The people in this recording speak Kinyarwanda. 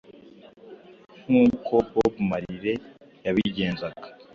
nk’uko Bob Marley yabigenzaga.